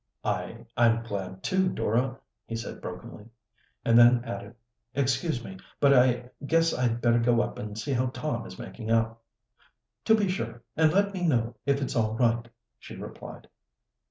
"I I'm glad too, Dora," he said brokenly. And then added: "Excuse me, but I guess I'd better go up and see how Tom is making out." "To be sure, and let me know if it's all right," she replied.